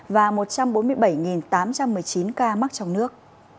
và một trăm bốn mươi bảy tám trăm một mươi chín ca mắc trong nước